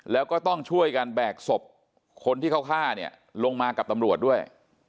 แล้วก็ต้องช่วยกันแบกศพคนที่เขาฆ่าเนี่ยลงมากับตำรวจด้วย